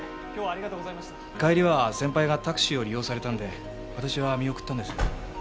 帰りは先輩がタクシーを利用されたので私は見送ったんです。